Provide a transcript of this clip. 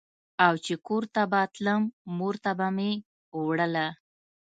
او چې کور ته به تلم مور ته به مې وړله.